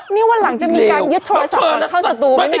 นี่วันหลังจะมีการยึดโทรศัพท์เข้าสตูไหมเนี่ย